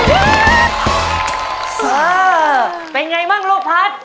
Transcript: เออเป็นไงบ้างลูกพัฒน์